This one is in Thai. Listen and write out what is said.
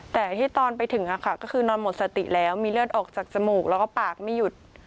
แต่ที่ตอนไปถึงก็คือนอนหมดสติแล้วมีเลือดออกจากจมูกแล้วก็ปากไม่หยุด